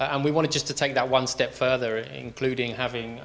dan kita ingin menambahkan itu satu langkah lebih lanjut